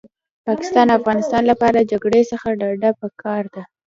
پاکستان او افغانستان لپاره جګړې څخه ډډه پکار ده